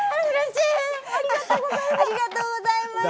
ありがとうございます。